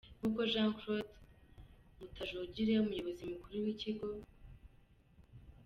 Nk’uko Jean Claude Mutajogire, Umuyobozi Mukuru w’Ikigo.